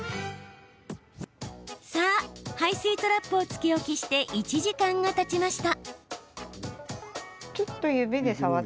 さあ排水トラップをつけ置きして１時間がたちました。